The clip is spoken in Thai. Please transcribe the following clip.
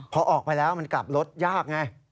พอออกไปแล้วมันกลับรถยากไง